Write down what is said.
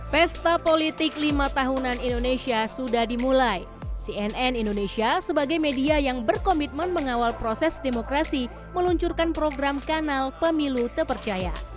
pesta politik lima tahunan indonesia sudah dimulai cnn indonesia sebagai media yang berkomitmen mengawal proses demokrasi meluncurkan program kanal pemilu terpercaya